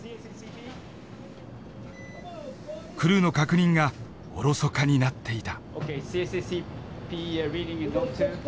クルーの確認がおろそかになっていた。